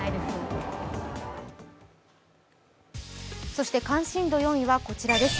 そして関心度４位はこちらです。